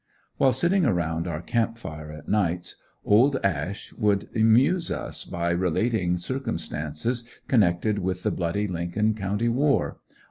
While sitting around our camp fire at nights "Old" Ash would amuse me by relating circumstances connected with the "bloody Lincoln County war."